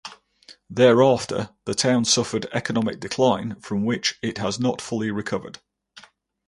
Thereafter the town suffered economic decline from which it has not fully recovered.